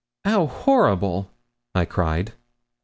'How horrible!' cried I.